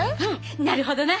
なるほどな！